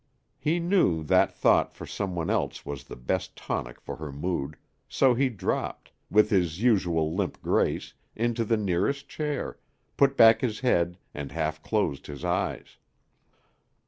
He knew that thought for some one else was the best tonic for her mood, so he dropped, with his usual limp grace, into the nearest chair, put back his head and half closed his eyes.